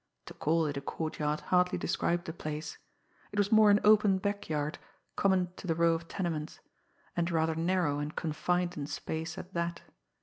To call it a courtyard hardly described the place. It was more an open backyard common to the row of tenements, and rather narrow and confined in space at that.